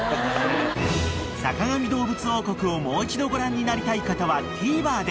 ［『坂上どうぶつ王国』をもう一度ご覧になりたい方はＴＶｅｒで］